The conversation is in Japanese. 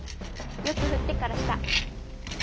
よく振ってから下！